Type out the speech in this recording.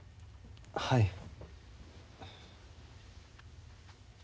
はい。